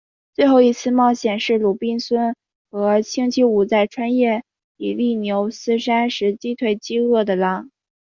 最后一次的冒险是鲁滨逊和星期五在穿越比利牛斯山时击退饥饿的狼。